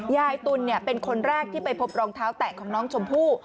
ยายตุลเป็นคนแรกที่ไปพบรองเท้าแตะของน้องชมพู่